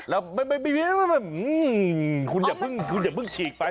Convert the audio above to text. แล้วมันบินไปเลยนะแล้วมันบินไปคุณอย่าเพิ่งฉีกไป